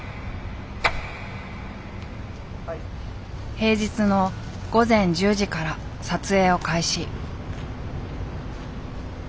平日の午前１０時から撮影を開始。